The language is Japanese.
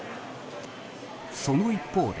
その一方で。